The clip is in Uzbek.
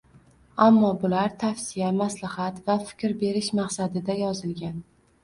Ammo bular tavsiya, maslahat va fikr berish maqsadida yozilgan